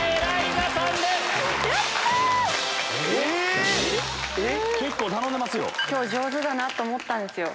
今日上手だなと思ったんですよ。